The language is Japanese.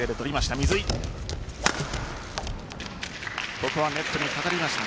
ここはネットにかかりました。